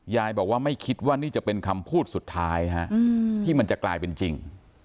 ยายบอกว่าไม่คิดว่านี่จะเป็นคำพูดสุดท้ายที่มันจะกลายเป็นจริง